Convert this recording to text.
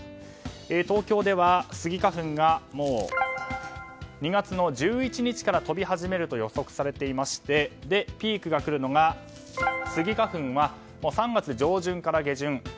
東京ではスギ花粉が２月１１日から飛び始めると予測されていましてピークが来るのがスギ花粉は３月上旬から下旬。